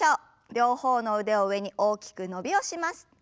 両方の腕を上に大きく伸びをします。